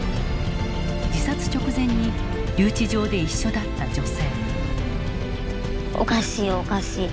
自殺直前に留置場で一緒だった女性。